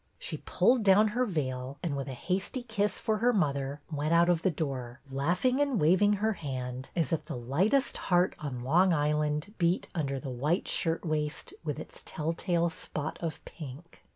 She pulled down her veil and, with a hasty kiss for her mother, went out of the door, laughing and waving her hand as if the lightest heart on Long Island beat ''SHOCKINGLY YOUNG'' 217 under the white shirtwaist with its telltale spot of pink.